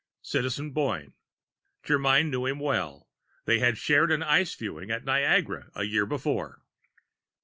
Citizen Boyne. Germyn knew him well; they had shared the Ice Viewing at Niagara a year before.